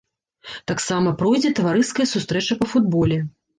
Таксама пройдзе таварыская сустрэча па футболе.